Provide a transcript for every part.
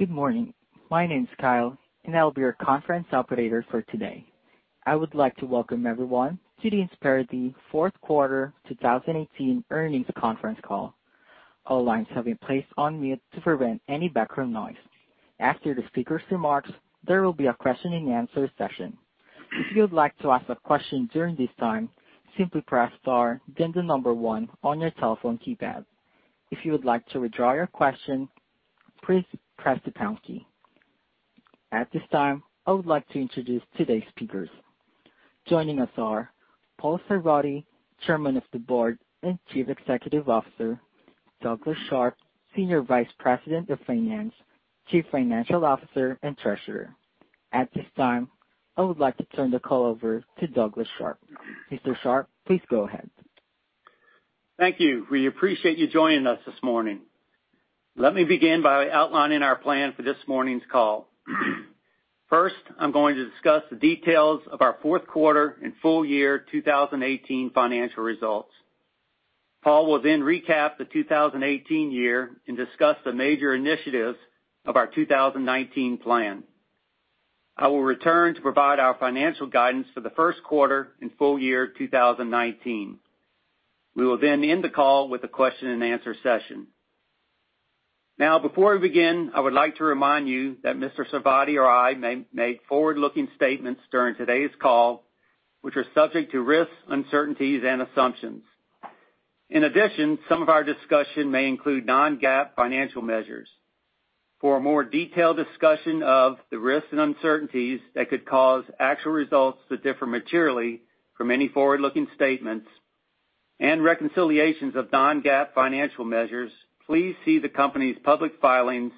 Good morning. My name is Kyle, and I'll be your conference operator for today. I would like to welcome everyone to the Insperity fourth quarter 2018 earnings conference call. All lines have been placed on mute to prevent any background noise. After the speaker's remarks, there will be a question and answer session. If you would like to ask a question during this time, simply press star, then the number one on your telephone keypad. If you would like to withdraw your question, please press the pound key. At this time, I would like to introduce today's speakers. Joining us are Paul Sarvadi, Chairman of the Board and Chief Executive Officer, Douglas Sharp, Senior Vice President of Finance, Chief Financial Officer, and Treasurer. At this time, I would like to turn the call over to Douglas Sharp. Mr. Sharp, please go ahead. Thank you. We appreciate you joining us this morning. Let me begin by outlining our plan for this morning's call. First, I'm going to discuss the details of our fourth quarter and full year 2018 financial results. Paul will recap the 2018 year and discuss the major initiatives of our 2019 plan. I will return to provide our financial guidance for the first quarter and full year 2019. We will end the call with a question and answer session. Before we begin, I would like to remind you that Mr. Sarvadi or I may make forward-looking statements during today's call, which are subject to risks, uncertainties, and assumptions. In addition, some of our discussion may include non-GAAP financial measures. For a more detailed discussion of the risks and uncertainties that could cause actual results to differ materially from any forward-looking statements and reconciliations of non-GAAP financial measures, please see the company's public filings,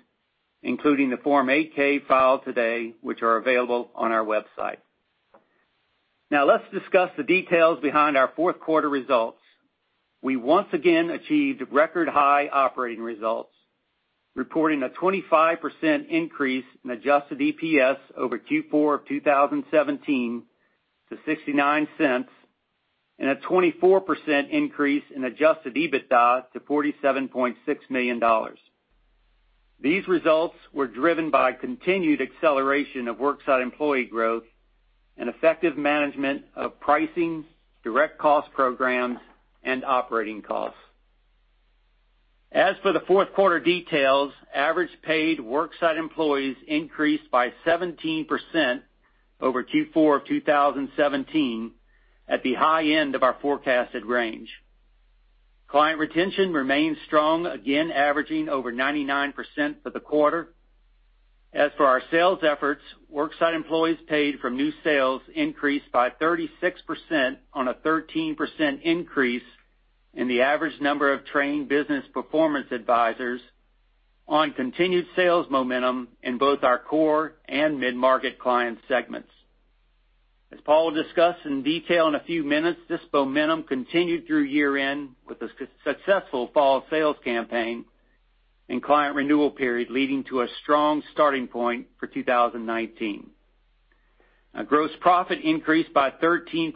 including the Form 8-K filed today, which are available on our website. Let's discuss the details behind our fourth quarter results. We once again achieved record-high operating results, reporting a 25% increase in adjusted EPS over Q4 of 2017 to $0.69, and a 24% increase in adjusted EBITDA to $47.6 million. These results were driven by continued acceleration of worksite employee growth and effective management of pricing, direct cost programs, and operating costs. As for the fourth quarter details, average paid worksite employees increased by 17% over Q4 of 2017 at the high end of our forecasted range. Client retention remains strong, again averaging over 99% for the quarter. As for our sales efforts, worksite employees paid from new sales increased by 36% on a 13% increase in the average number of trained business performance advisors on continued sales momentum in both our core and mid-market client segments. As Paul will discuss in detail in a few minutes, this momentum continued through year-end with a successful fall sales campaign and client renewal period leading to a strong starting point for 2019. Our gross profit increased by 13%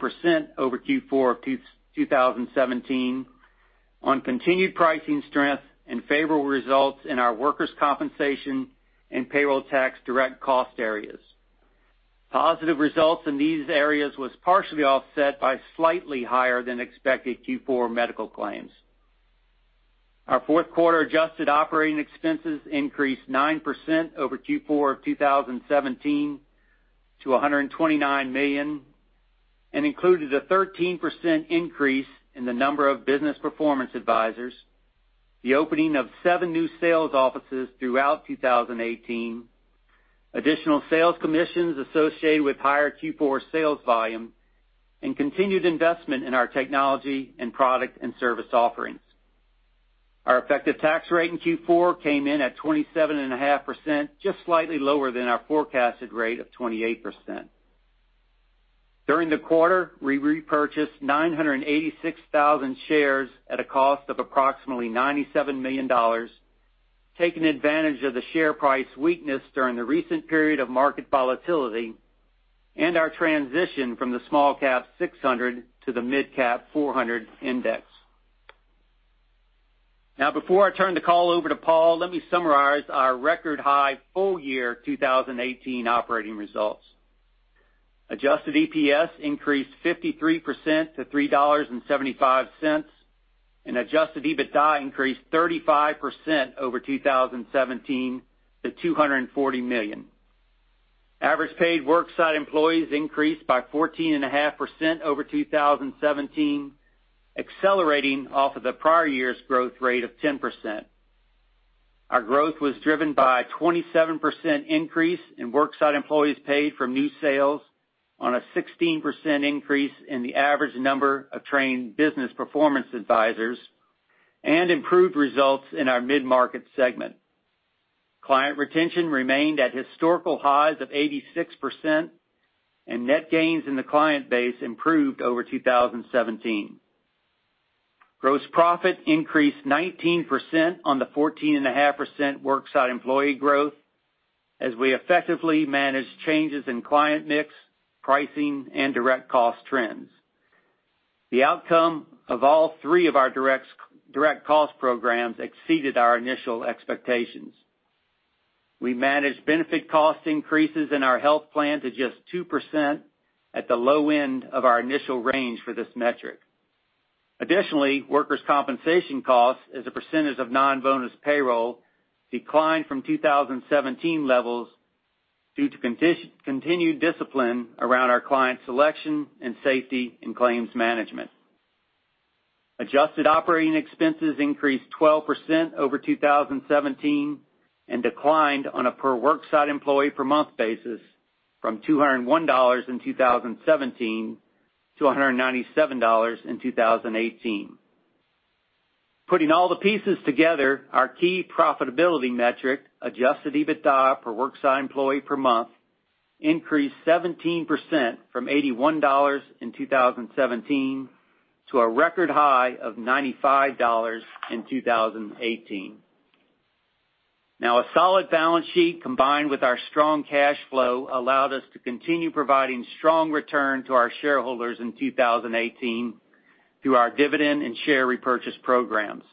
over Q4 of 2017 on continued pricing strength and favorable results in our workers' compensation and payroll tax direct cost areas. Positive results in these areas was partially offset by slightly higher than expected Q4 medical claims. Our fourth quarter adjusted operating expenses increased 9% over Q4 of 2017 to $129 million and included a 13% increase in the number of business performance advisors, the opening of seven new sales offices throughout 2018, additional sales commissions associated with higher Q4 sales volume, and continued investment in our technology and product and service offerings. Our effective tax rate in Q4 came in at 27.5%, just slightly lower than our forecasted rate of 28%. During the quarter, we repurchased 986,000 shares at a cost of approximately $97 million, taking advantage of the share price weakness during the recent period of market volatility and our transition from the S&P SmallCap 600 to the S&P MidCap 400 Index. Before I turn the call over to Paul, let me summarize our record-high full year 2018 operating results. Adjusted EPS increased 53% to $3.75. Adjusted EBITDA increased 35% over 2017 to $240 million. Average paid worksite employees increased by 14.5% over 2017, accelerating off of the prior year's growth rate of 10%. Our growth was driven by a 27% increase in worksite employees paid from new sales on a 16% increase in the average number of trained business performance advisors and improved results in our mid-market segment. Client retention remained at historical highs of 86%, and net gains in the client base improved over 2017. Gross profit increased 19% on the 14.5% worksite employee growth as we effectively managed changes in client mix, pricing, and direct cost trends. The outcome of all three of our direct cost programs exceeded our initial expectations. We managed benefit cost increases in our health plan to just 2% at the low end of our initial range for this metric. Additionally, workers' compensation costs as a percentage of non-bonus payroll declined from 2017 levels due to continued discipline around our client selection in safety and claims management. Adjusted operating expenses increased 12% over 2017 and declined on a per worksite employee per month basis from $201 in 2017 to $197 in 2018. Putting all the pieces together, our key profitability metric, adjusted EBITDA per worksite employee per month, increased 17% from $81 in 2017 to a record high of $95 in 2018. A solid balance sheet combined with our strong cash flow allowed us to continue providing strong return to our shareholders in 2018 through our dividend and share repurchase programs.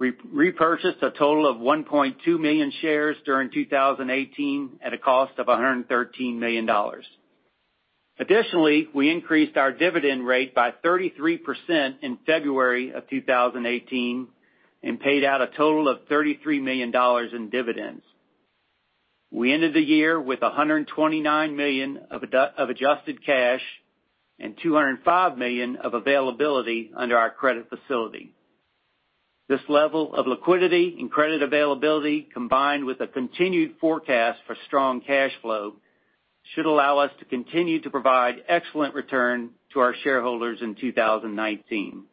We repurchased a total of 1.2 million shares during 2018 at a cost of $113 million. Additionally, we increased our dividend rate by 33% in February of 2018 and paid out a total of $33 million in dividends. We ended the year with $129 million of adjusted cash and $205 million of availability under our credit facility. This level of liquidity and credit availability, combined with a continued forecast for strong cash flow, should allow us to continue to provide excellent return to our shareholders in 2019.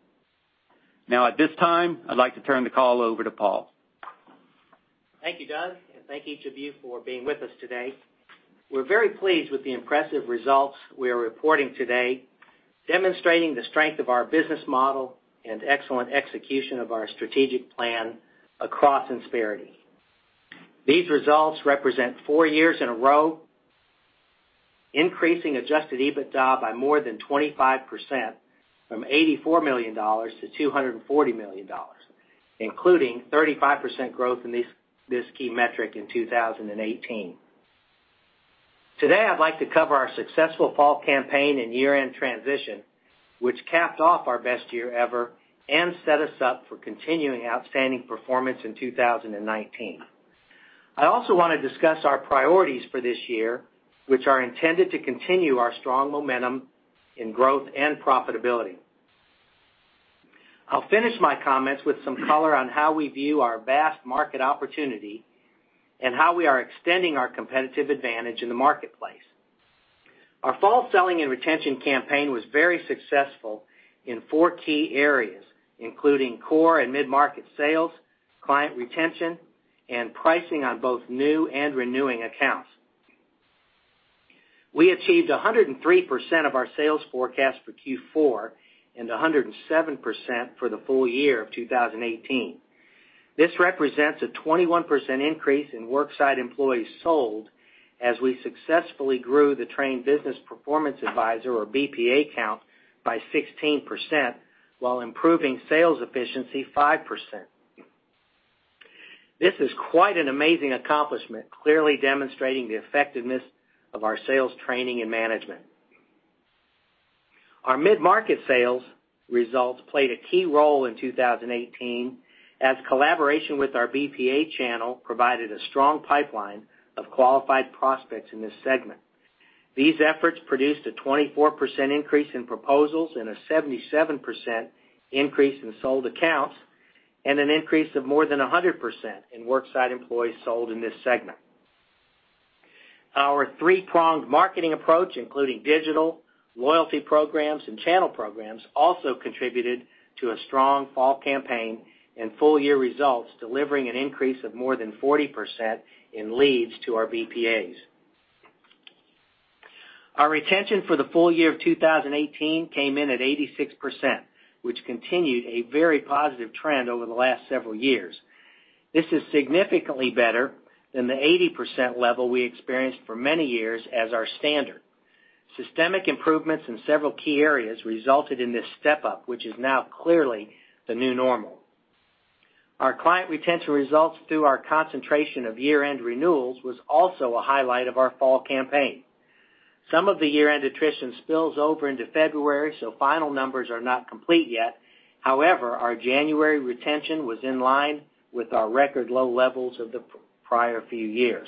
At this time, I'd like to turn the call over to Paul. Thank you, Doug, and thank each of you for being with us today. We are very pleased with the impressive results we are reporting today, demonstrating the strength of our business model and excellent execution of our strategic plan across Insperity. These results represent four years in a row, increasing adjusted EBITDA by more than 25%, from $84 million-$240 million, including 35% growth in this key metric in 2018. Today, I would like to cover our successful fall campaign and year-end transition, which capped off our best year ever and set us up for continuing outstanding performance in 2019. I also want to discuss our priorities for this year, which are intended to continue our strong momentum in growth and profitability. I will finish my comments with some color on how we view our vast market opportunity and how we are extending our competitive advantage in the marketplace. Our fall selling and retention campaign was very successful in four key areas, including core and mid-market sales, client retention, and pricing on both new and renewing accounts. We achieved 103% of our sales forecast for Q4 and 107% for the full year of 2018. This represents a 21% increase in worksite employees sold as we successfully grew the trained business performance advisor or BPA count by 16% while improving sales efficiency 5%. This is quite an amazing accomplishment, clearly demonstrating the effectiveness of our sales training and management. Our mid-market sales results played a key role in 2018 as collaboration with our BPA channel provided a strong pipeline of qualified prospects in this segment. These efforts produced a 24% increase in proposals and a 77% increase in sold accounts, an increase of more than 100% in worksite employees sold in this segment. Our three-pronged marketing approach, including digital, loyalty programs, and channel programs, also contributed to a strong fall campaign and full-year results, delivering an increase of more than 40% in leads to our BPAs. Our retention for the full year of 2018 came in at 86%, which continued a very positive trend over the last several years. This is significantly better than the 80% level we experienced for many years as our standard. Systemic improvements in several key areas resulted in this step-up, which is now clearly the new normal. Our client retention results through our concentration of year-end renewals was also a highlight of our fall campaign. Some of the year-end attrition spills over into February, so final numbers are not complete yet. However, our January retention was in line with our record low levels of the prior few years.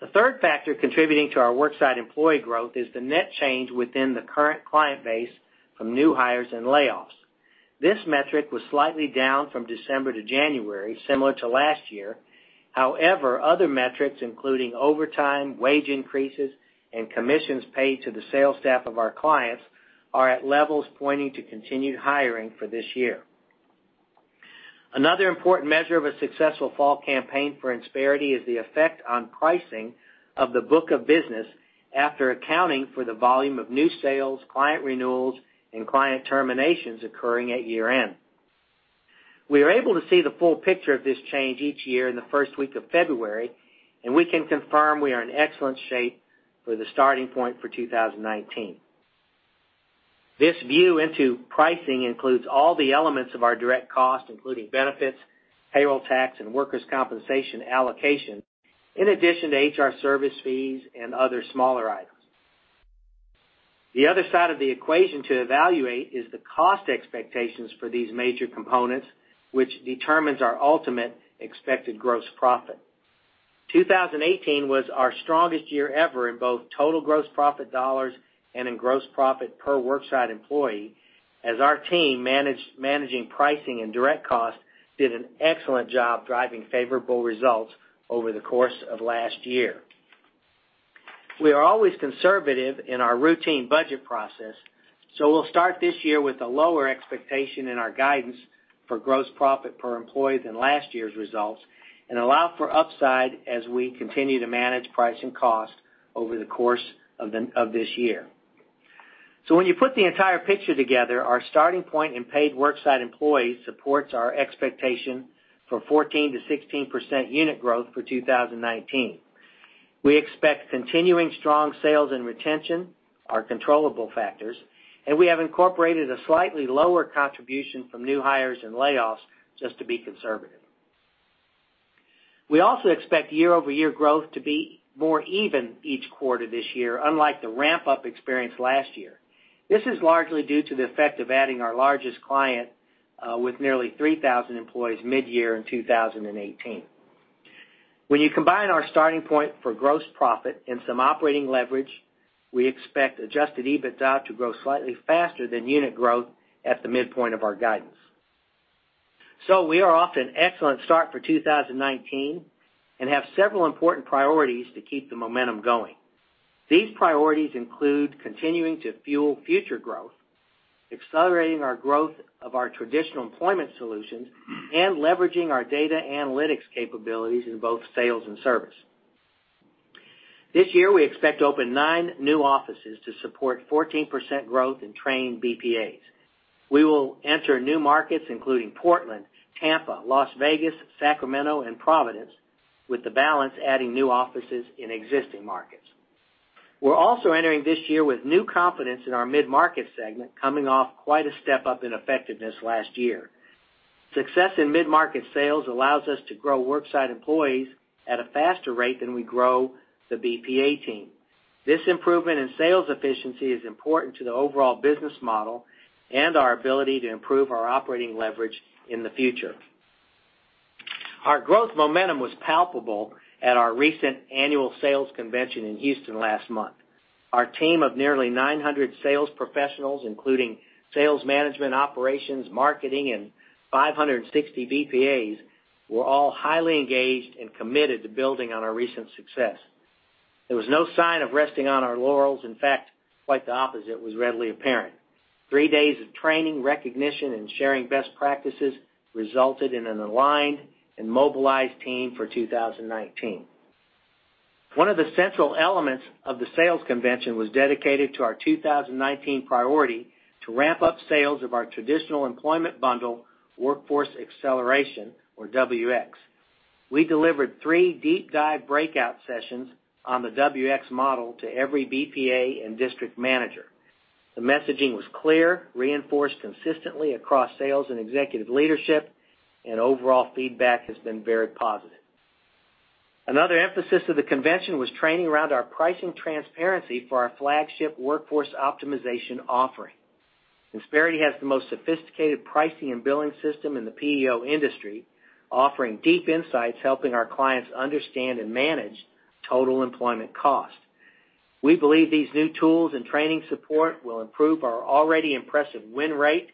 The 3rd factor contributing to our worksite employee growth is the net change within the current client base from new hires and layoffs. This metric was slightly down from December to January, similar to last year. However, other metrics, including overtime, wage increases, and commissions paid to the sales staff of our clients, are at levels pointing to continued hiring for this year. Another important measure of a successful fall campaign for Insperity is the effect on pricing of the book of business after accounting for the volume of new sales, client renewals, and client terminations occurring at year-end. We are able to see the full picture of this change each year in the first week of February, and we can confirm we are in excellent shape for the starting point for 2019. This view into pricing includes all the elements of our direct costs, including benefits, payroll tax, and workers' compensation allocation, in addition to HR service fees and other smaller items. The other side of the equation to evaluate is the cost expectations for these major components, which determines our ultimate expected gross profit. 2018 was our strongest year ever in both total gross profit dollars and in gross profit per worksite employee, as our team managing pricing and direct cost did an excellent job driving favorable results over the course of last year. We are always conservative in our routine budget process, so we'll start this year with a lower expectation in our guidance for gross profit per employee than last year's results and allow for upside as we continue to manage price and cost over the course of this year. When you put the entire picture together, our starting point in paid worksite employees supports our expectation for 14%-16% unit growth for 2019. We expect continuing strong sales and retention, our controllable factors, and we have incorporated a slightly lower contribution from new hires and layoffs just to be conservative. We also expect year-over-year growth to be more even each quarter this year, unlike the ramp-up experience last year. This is largely due to the effect of adding our largest client with nearly 3,000 employees midyear in 2018. When you combine our starting point for gross profit and some operating leverage, we expect adjusted EBITDA to grow slightly faster than unit growth at the midpoint of our guidance. We are off to an excellent start for 2019 and have several important priorities to keep the momentum going. These priorities include continuing to fuel future growth, accelerating our growth of our traditional employment solutions, and leveraging our data analytics capabilities in both sales and service. This year, we expect to open nine new offices to support 14% growth in trained BPAs. We will enter new markets including Portland, Tampa, Las Vegas, Sacramento, and Providence, with the balance adding new offices in existing markets. We're also entering this year with new confidence in our mid-market segment, coming off quite a step-up in effectiveness last year. Success in mid-market sales allows us to grow worksite employees at a faster rate than we grow the BPA team. This improvement in sales efficiency is important to the overall business model and our ability to improve our operating leverage in the future. Our growth momentum was palpable at our recent annual sales convention in Houston last month. Our team of nearly 900 sales professionals, including sales management, operations, marketing, and 560 BPAs, were all highly engaged and committed to building on our recent success. There was no sign of resting on our laurels. In fact, quite the opposite was readily apparent. Three days of training, recognition, and sharing best practices resulted in an aligned and mobilized team for 2019. One of the central elements of the sales convention was dedicated to our 2019 priority to ramp up sales of our traditional employment bundle, Workforce Acceleration, or WX. We delivered three deep dive breakout sessions on the WX model to every BPA and district manager. The messaging was clear, reinforced consistently across sales and executive leadership, and overall feedback has been very positive. Another emphasis of the convention was training around our pricing transparency for our flagship Workforce Optimization offering. Insperity has the most sophisticated pricing and billing system in the PEO industry, offering deep insights, helping our clients understand and manage total employment cost. We believe these new tools and training support will improve our already impressive win rate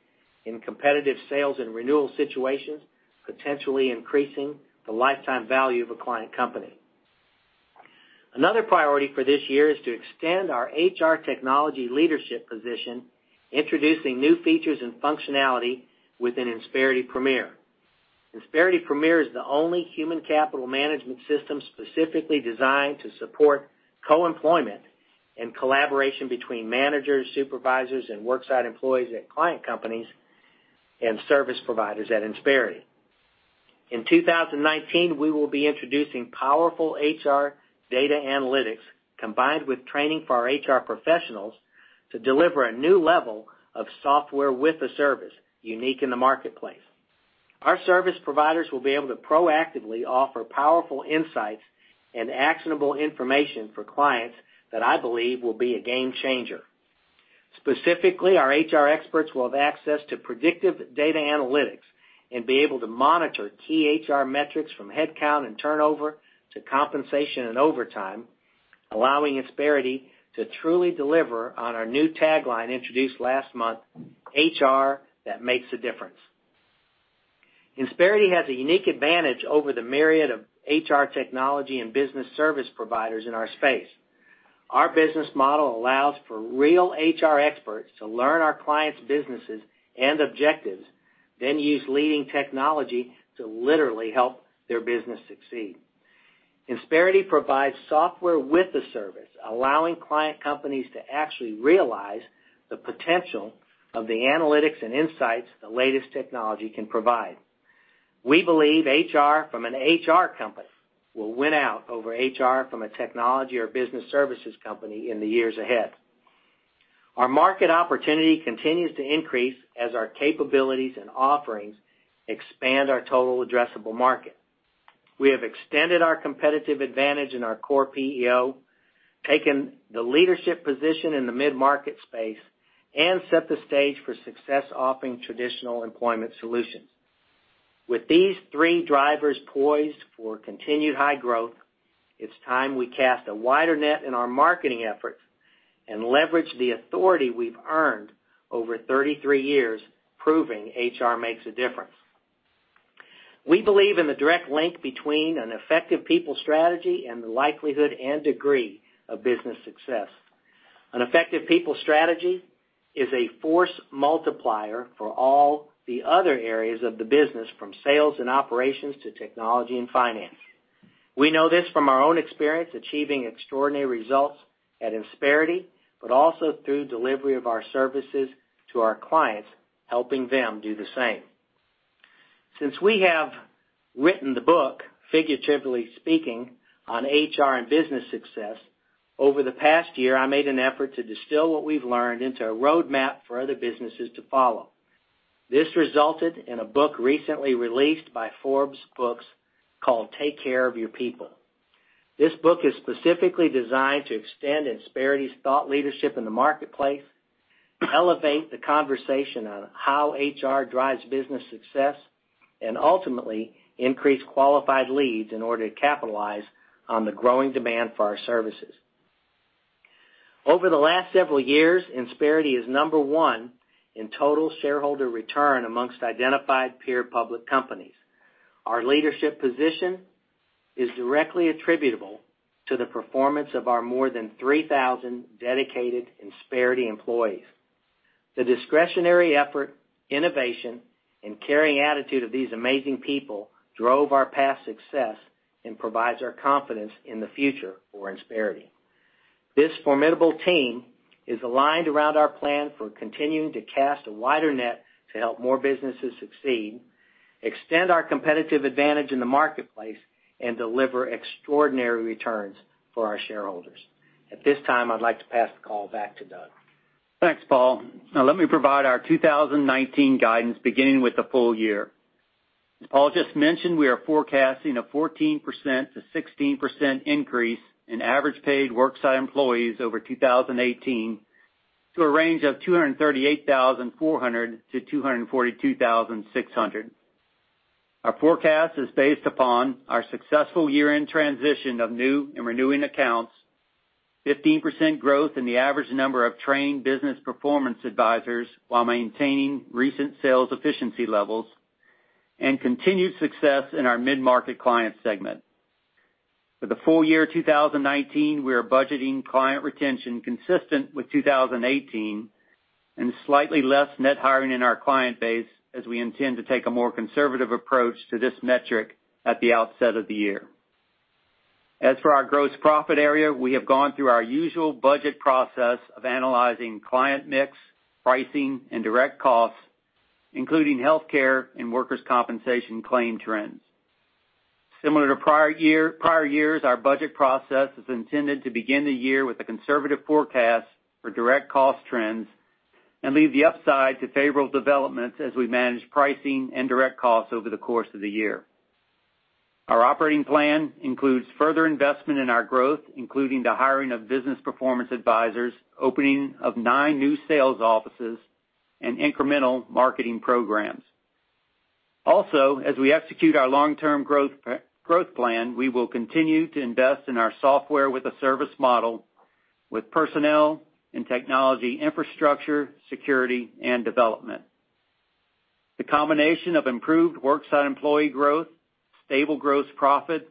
in competitive sales and renewal situations, potentially increasing the lifetime value of a client company. Another priority for this year is to extend our HR technology leadership position, introducing new features and functionality within Insperity Premier. Insperity Premier is the only human capital management system specifically designed to support co-employment and collaboration between managers, supervisors, and worksite employees at client companies and service providers at Insperity. In 2019, we will be introducing powerful HR data analytics combined with training for our HR professionals to deliver a new level of software with a service unique in the marketplace. Our service providers will be able to proactively offer powerful insights and actionable information for clients that I believe will be a game changer. Specifically, our HR experts will have access to predictive data analytics and be able to monitor key HR metrics from headcount and turnover to compensation and overtime, allowing Insperity to truly deliver on our new tagline introduced last month, HR that makes a difference. Insperity has a unique advantage over the myriad of HR technology and business service providers in our space. Our business model allows for real HR experts to learn our clients' businesses and objectives, then use leading technology to literally help their business succeed. Insperity provides software with a service, allowing client companies to actually realize the potential of the analytics and insights the latest technology can provide. We believe HR from an HR company will win out over HR from a technology or business services company in the years ahead. Our market opportunity continues to increase as our capabilities and offerings expand our total addressable market. We have extended our competitive advantage in our core PEO, taken the leadership position in the mid-market space, and set the stage for success offering traditional employment solutions. With these three drivers poised for continued high growth, it's time we cast a wider net in our marketing efforts and leverage the authority we've earned over 33 years proving HR makes a difference. We believe in the direct link between an effective people strategy and the likelihood and degree of business success. An effective people strategy is a force multiplier for all the other areas of the business, from sales and operations to technology and finance. We know this from our own experience, achieving extraordinary results at Insperity, but also through delivery of our services to our clients, helping them do the same. Since we have written the book, figuratively speaking, on HR and business success, over the past year, I made an effort to distill what we've learned into a roadmap for other businesses to follow. This resulted in a book recently released by Forbes Books called "Take Care of Your People." This book is specifically designed to extend Insperity's thought leadership in the marketplace, elevate the conversation on how HR drives business success, and ultimately increase qualified leads in order to capitalize on the growing demand for our services. Over the last several years, Insperity is number one in total shareholder return amongst identified peer public companies. Our leadership position is directly attributable to the performance of our more than 3,000 dedicated Insperity employees. The discretionary effort, innovation, and caring attitude of these amazing people drove our past success and provides our confidence in the future for Insperity. This formidable team is aligned around our plan for continuing to cast a wider net to help more businesses succeed, extend our competitive advantage in the marketplace, and deliver extraordinary returns for our shareholders. At this time, I'd like to pass the call back to Doug. Thanks, Paul. Let me provide our 2019 guidance, beginning with the full year. As Paul just mentioned, we are forecasting a 14%-16% increase in average paid worksite employees over 2018 to a range of 238,400-242,600. Our forecast is based upon our successful year-end transition of new and renewing accounts, 15% growth in the average number of trained business performance advisors while maintaining recent sales efficiency levels, and continued success in our mid-market client segment. For the full year 2019, we are budgeting client retention consistent with 2018 and slightly less net hiring in our client base, as we intend to take a more conservative approach to this metric at the outset of the year. As for our gross profit area, we have gone through our usual budget process of analyzing client mix, pricing, and direct costs, including healthcare and workers' compensation claim trends. Similar to prior years, our budget process is intended to begin the year with a conservative forecast for direct cost trends and leave the upside to favorable developments as we manage pricing and direct costs over the course of the year. Our operating plan includes further investment in our growth, including the hiring of business performance advisors, opening of nine new sales offices, and incremental marketing programs. As we execute our long-term growth plan, we will continue to invest in our software with a service model with personnel and technology infrastructure, security, and development. The combination of improved worksite employee growth, stable gross profit,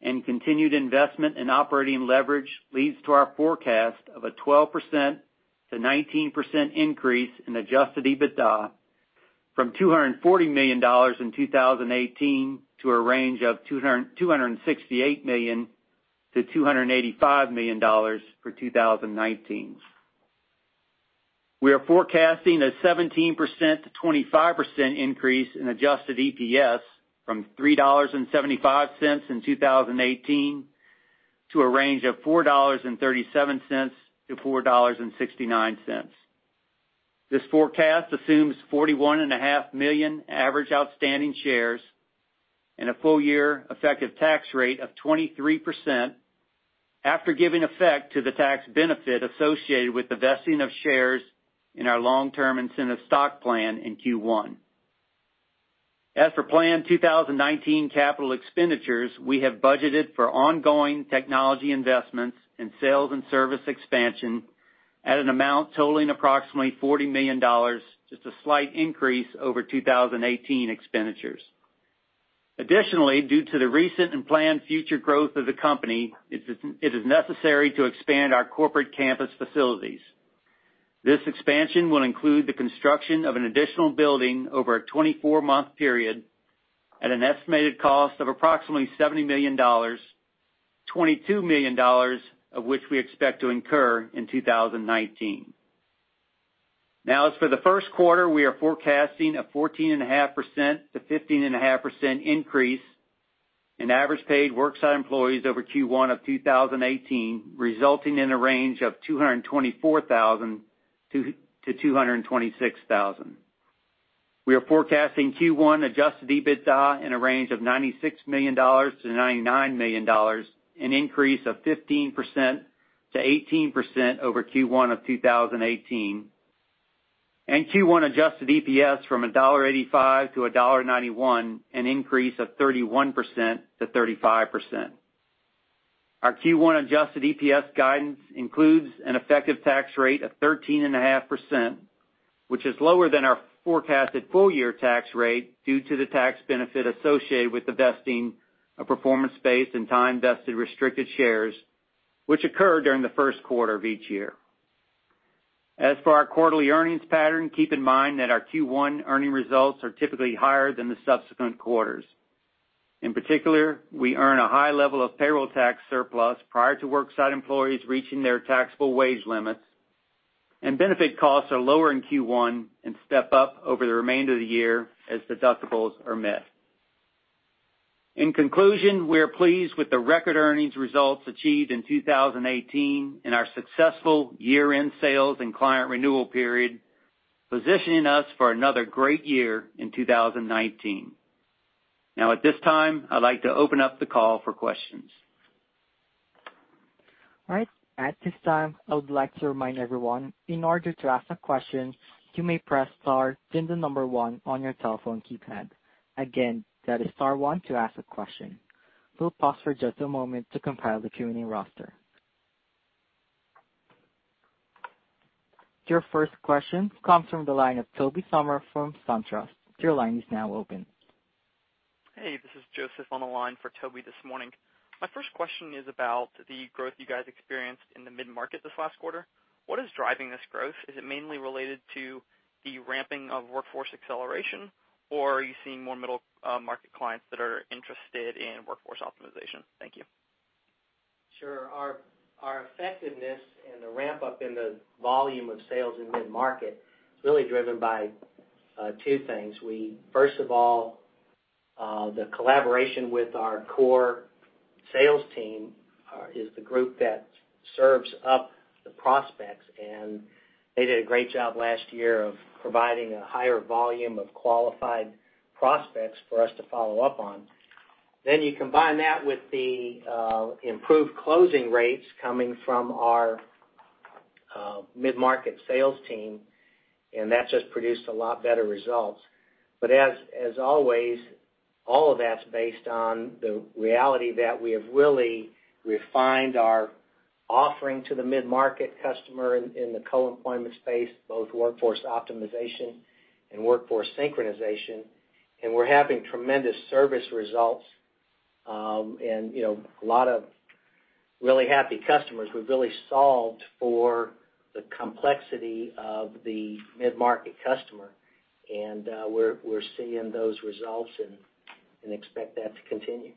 and continued investment in operating leverage leads to our forecast of a 12%-19% increase in adjusted EBITDA from $240 million in 2018 to a range of $268 million-$285 million for 2019. We are forecasting a 17%-25% increase in adjusted EPS from $3.75 in 2018 to a range of $4.37-$4.69. This forecast assumes 41.5 million average outstanding shares and a full-year effective tax rate of 23% after giving effect to the tax benefit associated with the vesting of shares in our long-term incentive stock plan in Q1. As for planned 2019 capital expenditures, we have budgeted for ongoing technology investments in sales and service expansion at an amount totaling approximately $40 million, just a slight increase over 2018 expenditures. Due to the recent and planned future growth of the company, it is necessary to expand our corporate campus facilities. This expansion will include the construction of an additional building over a 24-month period at an estimated cost of approximately $70 million, $22 million of which we expect to incur in 2019. As for the first quarter, we are forecasting a 14.5%-15.5% increase in average paid worksite employees over Q1 2018, resulting in a range of 224,000-226,000. We are forecasting Q1 adjusted EBITDA in a range of $96 million-$99 million, an increase of 15%-18% over Q1 2018, and Q1 adjusted EPS from $1.85-$1.91, an increase of 31%-35%. Our Q1 adjusted EPS guidance includes an effective tax rate of 13.5%, which is lower than our forecasted full-year tax rate due to the tax benefit associated with the vesting of performance-based and time-vested restricted shares, which occur during the first quarter of each year. As for our quarterly earnings pattern, keep in mind that our Q1 earnings results are typically higher than the subsequent quarters. In particular, we earn a high level of payroll tax surplus prior to worksite employees reaching their taxable wage limits, and benefit costs are lower in Q1 and step up over the remainder of the year as deductibles are met. In conclusion, we are pleased with the record earnings results achieved in 2018 and our successful year-end sales and client renewal period, positioning us for another great year in 2019. At this time, I'd like to open up the call for questions. All right. At this time, I would like to remind everyone, in order to ask a question, you may press star, then the number one on your telephone keypad. Again, that is star one to ask a question. We'll pause for just a moment to compile the Q&A roster. Your first question comes from the line of Tobey Sommer from SunTrust. Your line is now open. Hey, this is Joseph on the line for Tobey this morning. My first question is about the growth you guys experienced in the mid-market this last quarter. What is driving this growth? Is it mainly related to the ramping of Workforce Acceleration, or are you seeing more middle market clients that are interested in Workforce Optimization? Thank you. Sure. Our effectiveness and the ramp-up in the volume of sales in mid-market is really driven by two things. First of all, the collaboration with our core sales team is the group that serves up the prospects, and they did a great job last year of providing a higher volume of qualified prospects for us to follow up on. You combine that with the improved closing rates coming from our mid-market sales team, and that's just produced a lot better results. As always, all of that's based on the reality that we have really refined our offering to the mid-market customer in the co-employment space, both Workforce Optimization and Workforce Synchronization. We're having tremendous service results, and a lot of really happy customers. We've really solved for the complexity of the mid-market customer, and we're seeing those results and expect that to continue.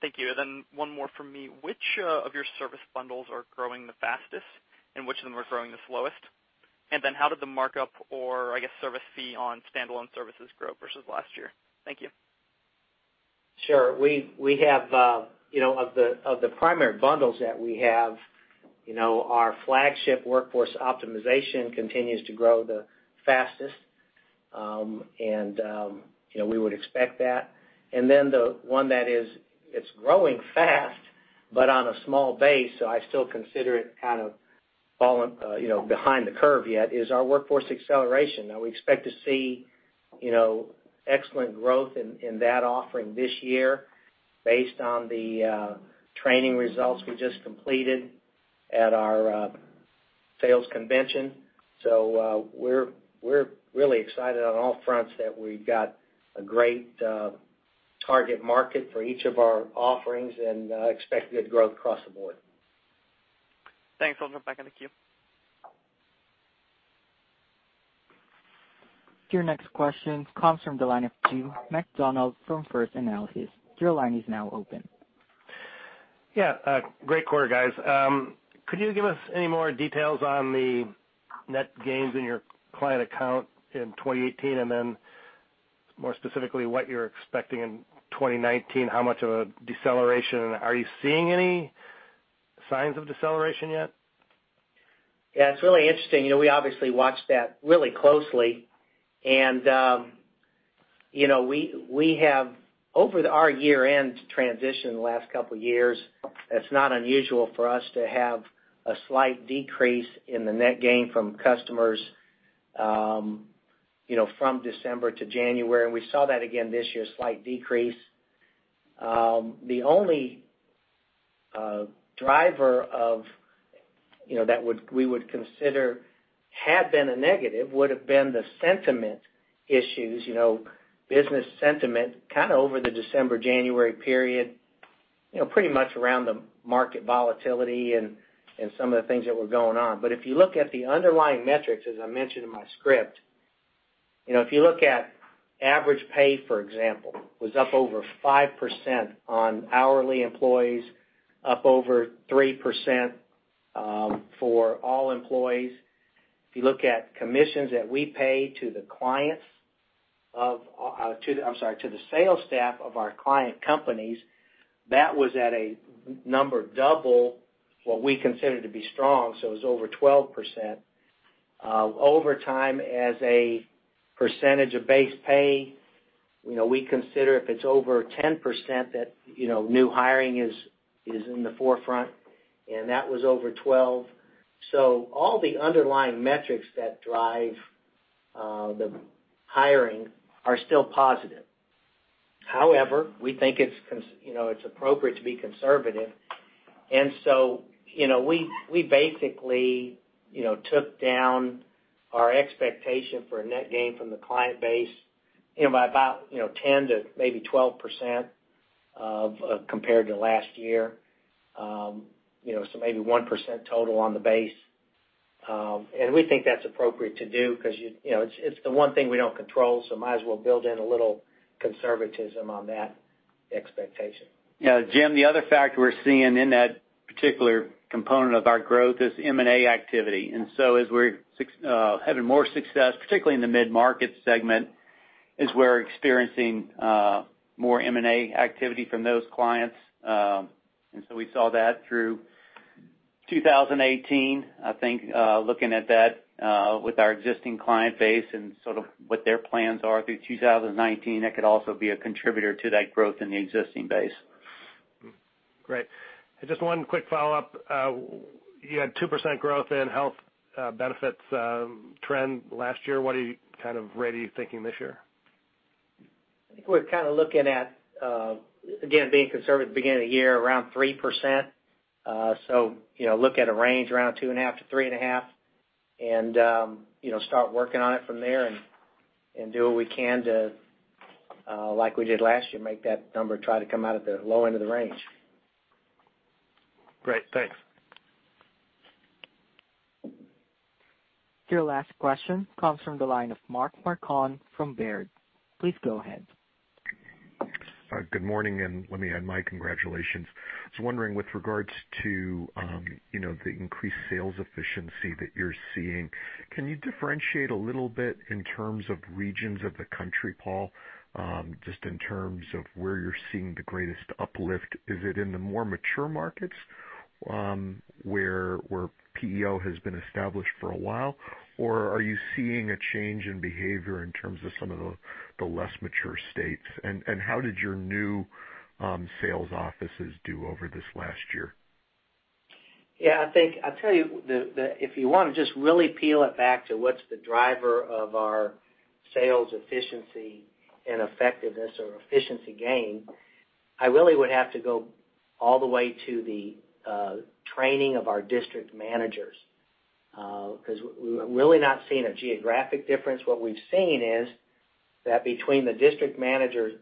Thank you. One more from me. Which of your service bundles are growing the fastest, and which of them are growing the slowest? How did the markup or service fee on standalone services grow versus last year? Thank you. Sure. Of the primary bundles that we have, our flagship Workforce Optimization continues to grow the fastest. We would expect that. The one that is growing fast, but on a small base, so I still consider it kind of falling behind the curve yet, is our Workforce Acceleration. Now, we expect to see excellent growth in that offering this year based on the training results we just completed at our sales convention. We're really excited on all fronts that we've got a great target market for each of our offerings and expect good growth across the board. Thanks. I'll jump back in the queue. Your next question comes from the line of Jim Macdonald from First Analysis. Your line is now open. Yeah. Great quarter, guys. Could you give us any more details on the net gains in your client account in 2018? More specifically, what you're expecting in 2019, how much of a deceleration, and are you seeing any signs of deceleration yet? Yeah, it's really interesting. We obviously watch that really closely. We have, over our year-end transition the last couple of years, it's not unusual for us to have a slight decrease in the net gain from customers from December to January, and we saw that again this year, a slight decrease. The only driver that we would consider had been a negative would have been the sentiment issues, business sentiment kind of over the December, January period, pretty much around the market volatility and some of the things that were going on. If you look at the underlying metrics, as I mentioned in my script, if you look at average pay, for example, was up over 5% on hourly employees, up over 3% for all employees. If you look at commissions that we pay to the sales staff of our client companies, that was at a number double what we consider to be strong. It was over 12%. Overtime as a percentage of base pay, we consider if it's over 10%, that new hiring is in the forefront, and that was over 12%. All the underlying metrics that drive the hiring are still positive. However, we think it's appropriate to be conservative. We basically took down our expectation for a net gain from the client base by about 10% to maybe 12% of compared to last year. So maybe 1% total on the base. We think that's appropriate to do because it's the one thing we don't control, so might as well build in a little conservatism on that expectation. Jim, the other factor we're seeing in that particular component of our growth is M&A activity. As we're having more success, particularly in the mid-market segment, is we're experiencing more M&A activity from those clients. We saw that through 2018. I think, looking at that with our existing client base and sort of what their plans are through 2019, that could also be a contributor to that growth in the existing base. Great. Just one quick follow-up. You had 2% growth in health benefits trend last year. What are you kind of ready thinking this year? I think we're kind of looking at, again, being conservative at the beginning of the year, around 3%. Look at a range around 2.5%-3.5%, and start working on it from there and do what we can to, like we did last year, make that number try to come out at the low end of the range. Great. Thanks. Your last question comes from the line of Mark Marcon from Baird. Please go ahead. Good morning, let me add my congratulations. I was wondering with regards to the increased sales efficiency that you're seeing, can you differentiate a little bit in terms of regions of the country, Paul? Just in terms of where you're seeing the greatest uplift. Is it in the more mature markets, where PEO has been established for a while, or are you seeing a change in behavior in terms of some of the less mature states? How did your new sales offices do over this last year? Yeah, I'll tell you if you want to just really peel it back to what's the driver of our sales efficiency and effectiveness or efficiency gain, I really would have to go all the way to the training of our district managers. We're really not seeing a geographic difference. What we've seen is that between the district manager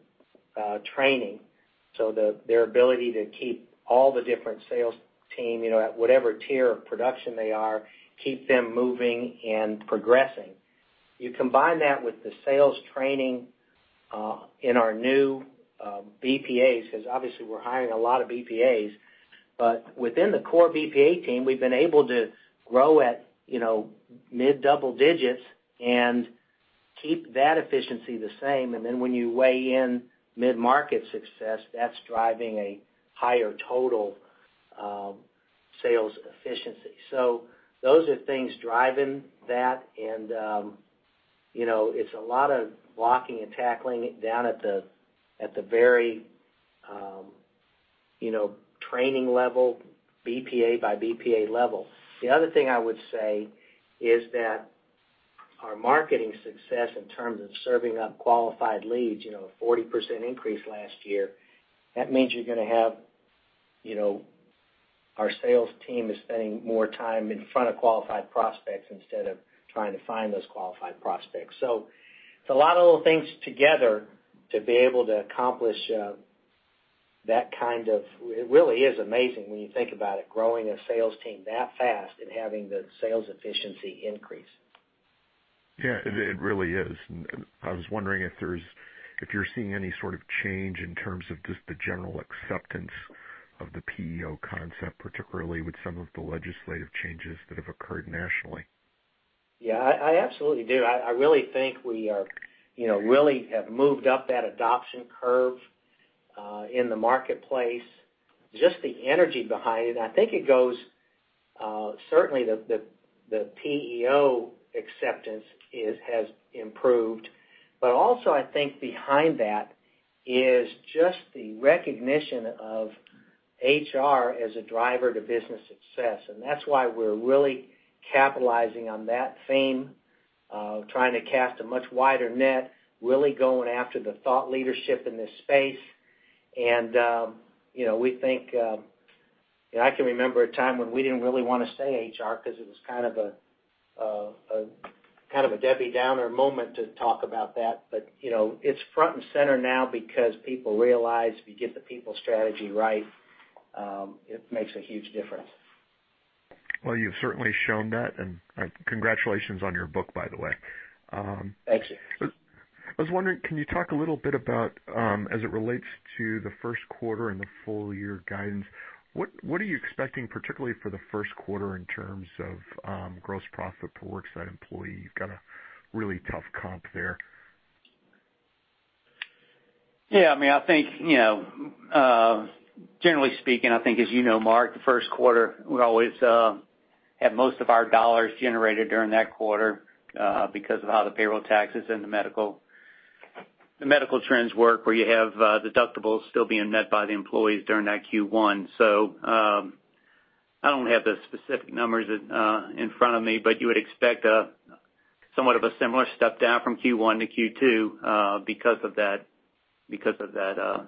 training, so their ability to keep all the different sales team at whatever tier of production they are, keep them moving and progressing. You combine that with the sales training in our new BPAs, because obviously we're hiring a lot of BPAs, but within the core BPA team, we've been able to grow at mid double digits and keep that efficiency the same. Then when you weigh in mid-market success, that's driving a higher total sales efficiency. Those are things driving that, and it's a lot of blocking and tackling down at the very training level, BPA by BPA level. The other thing I would say is that our marketing success in terms of serving up qualified leads, a 40% increase last year. That means you're going to have our sales team is spending more time in front of qualified prospects instead of trying to find those qualified prospects. It's a lot of little things together to be able to accomplish that. It really is amazing when you think about it, growing a sales team that fast and having the sales efficiency increase. Yeah, it really is. I was wondering if you're seeing any sort of change in terms of just the general acceptance of the PEO concept, particularly with some of the legislative changes that have occurred nationally. Yeah, I absolutely do. I really think we really have moved up that adoption curve in the marketplace. Just the energy behind it. I think certainly the PEO acceptance has improved, also I think behind that is just the recognition of HR as a driver to business success. That's why we're really capitalizing on that theme, trying to cast a much wider net, really going after the thought leadership in this space. We think I can remember a time when we didn't really want to say HR because it was kind of a Debbie Downer moment to talk about that. It's front and center now because people realize if you get the people strategy right, it makes a huge difference. Well, you've certainly shown that, congratulations on your book, by the way. Thank you. I was wondering, can you talk a little bit about, as it relates to the first quarter and the full-year guidance, what are you expecting, particularly for the first quarter in terms of gross profit per worksite employee? You've got a really tough comp there. Yeah. Generally speaking, I think as you know, Mark, the first quarter, we always have most of our dollars generated during that quarter because of how the payroll taxes and the medical trends work, where you have deductibles still being met by the employees during that Q1. I don't have the specific numbers in front of me, but you would expect somewhat of a similar step down from Q1 to Q2 because of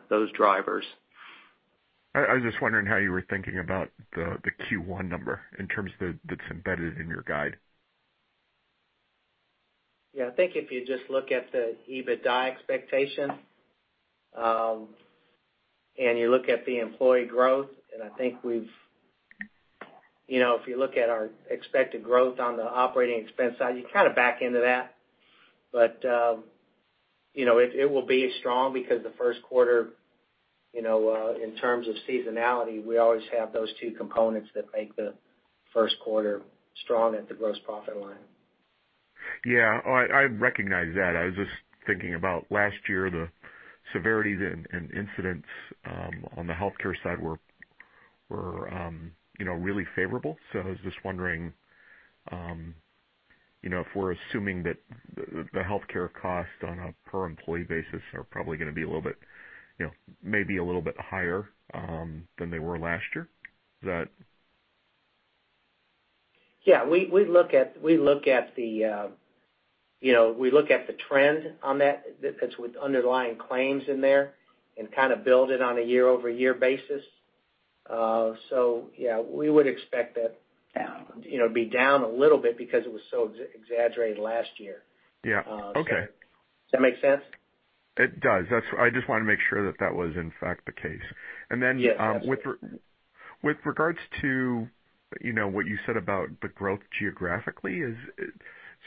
those drivers. I was just wondering how you were thinking about the Q1 number in terms of that's embedded in your guide. Yeah. I think if you just look at the EBITDA expectation, you look at the employee growth, if you look at our expected growth on the operating expense side, you kind of back into that. It will be strong because the first quarter, in terms of seasonality, we always have those two components that make the first quarter strong at the gross profit line. Yeah. I recognize that. I was just thinking about last year, the severity and incidents on the healthcare side were really favorable. I was just wondering if we're assuming that the healthcare costs on a per-employee basis are probably going to be maybe a little bit higher than they were last year? Yeah, we look at the trend on that's with underlying claims in there, kind of build it on a year-over-year basis. Yeah, we would expect that down. It would be down a little bit because it was so exaggerated last year. Yeah. Okay. Does that make sense? It does. I just want to make sure that that was, in fact, the case. Yes. Absolutely. With regards to what you said about the growth geographically is,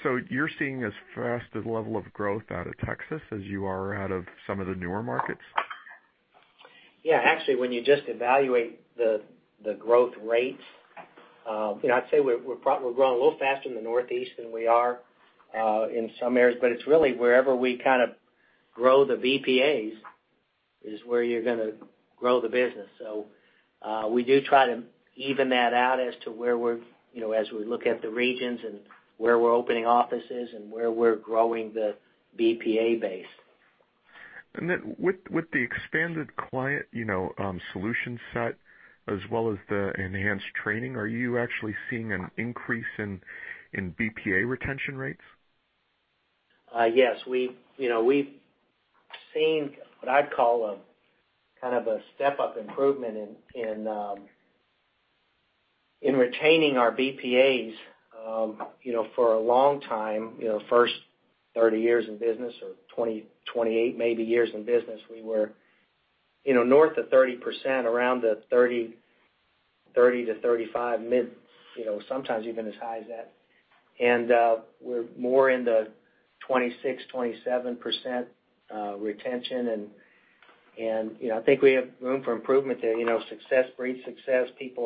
so you're seeing as fast as level of growth out of Texas as you are out of some of the newer markets? Yeah. Actually, when you just evaluate the growth rates, I'd say we're growing a little faster in the Northeast than we are in some areas, but it's really wherever we kind of grow the BPAs is where you're going to grow the business. We do try to even that out as to where we're as we look at the regions and where we're opening offices and where we're growing the BPA base. With the expanded client solution set as well as the enhanced training, are you actually seeing an increase in BPA retention rates? Yes. We've seen what I'd call a kind of a step-up improvement in retaining our BPAs for a long time. First 30 years in business, or 28 maybe years in business, we were north of 30%, around the 30%-35% mid, sometimes even as high as that. We're more in the 26%, 27% retention, and I think we have room for improvement there. Success breeds success. People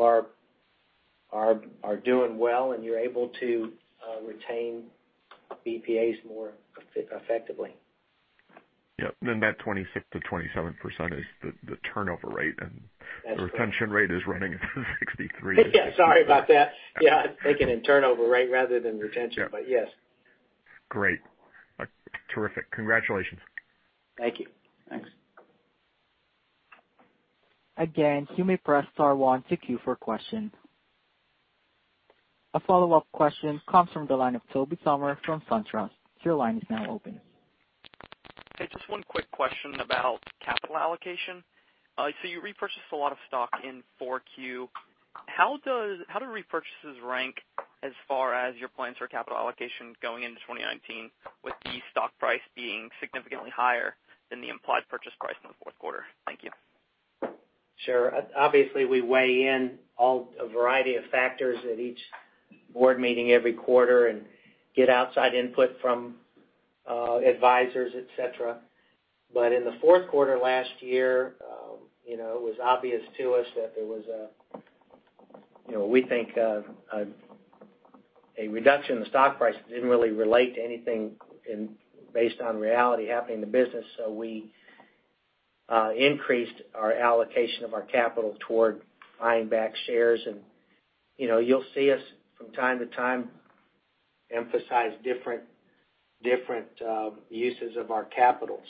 are doing well, and you're able to retain BPAs more effectively. Yep. That 26%-27% is the turnover rate. That's right. The retention rate is running at 63%. Yeah, sorry about that. Yeah, I'm thinking in turnover rate rather than retention, but yes. Great. Terrific. Congratulations. Thank you. Thanks. Again, you may press star one to queue for questions. A follow-up question comes from the line of Tobey Sommer from SunTrust. Your line is now open. Hey, just one quick question about capital allocation. I see you repurchased a lot of stock in 4Q. How do repurchases rank as far as your plans for capital allocation going into 2019 with the stock price being significantly higher than the implied purchase price in the fourth quarter? Thank you. Sure. Obviously, we weigh in a variety of factors at each board meeting every quarter and get outside input from advisors, et cetera. In the fourth quarter last year, it was obvious to us that We think a reduction in the stock price didn't really relate to anything based on reality happening in the business. We increased our allocation of our capital toward buying back shares, and you'll see us from time to time emphasize different uses of our capital.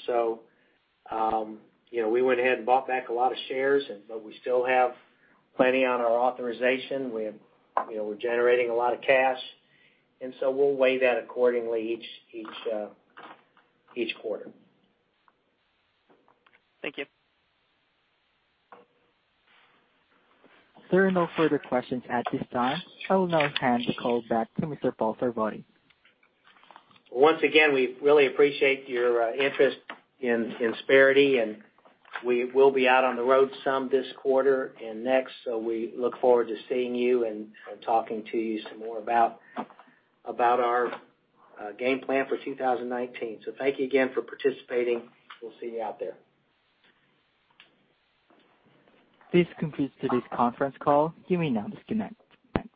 We went ahead and bought back a lot of shares, but we still have plenty on our authorization. We're generating a lot of cash, and so we'll weigh that accordingly each quarter. Thank you. There are no further questions at this time. I will now hand the call back to Mr. Paul Sarvadi. Once again, we really appreciate your interest in Insperity, and we will be out on the road some this quarter and next. We look forward to seeing you and talking to you some more about our game plan for 2019. Thank you again for participating. We'll see you out there. This concludes today's conference call. You may now disconnect. Thanks.